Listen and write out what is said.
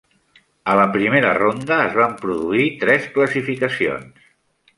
A la primera ronda, es van produir tres classificacions.